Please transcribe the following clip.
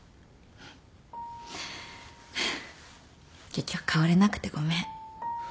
結局変われなくてごめん。